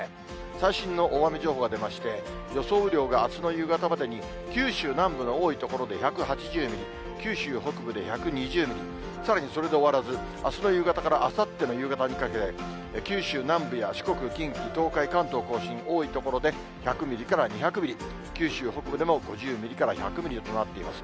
最新の大雨情報が出まして、予想雨量があすの夕方までに、九州南部の多い所で１８０ミリ、九州北部で１２０ミリ、さらにそれで終わらず、あすの夕方からあさっての夕方にかけて、九州南部や四国、近畿、東海、関東甲信、多い所で１００ミリから２００ミリ、九州北部でも５０ミリから１００ミリとなっています。